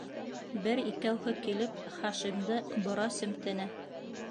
— Бер-икәүһе килеп, Хашимды бора семтене.